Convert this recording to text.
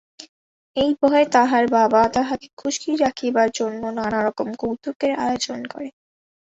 এই ভয়ে তাহার বাবা তাহাকে খুশি রাখিবার জন্য নানারকম কৌতুকের আয়োজন করে।